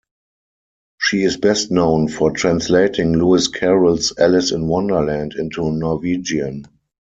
She is best known for translating Lewis Carroll's "Alice in Wonderland" into Norwegian.